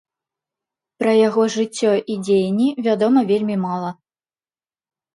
Пра яго жыццё і дзеянні вядома вельмі мала.